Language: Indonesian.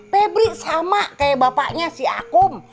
febri sama kayak bapaknya si akom